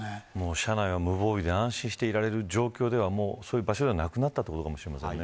車内は無防備で安心していられる状況ではそういう場所ではなくなったということかもしれませんね。